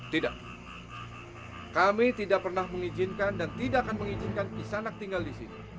tidak kami tidak pernah mengizinkan dan tidak akan mengizinkan istana tinggal di sini